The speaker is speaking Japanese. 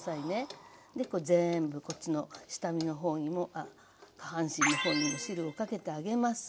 で全部こっちの下身の方にも下半身の方にも汁をかけてあげます。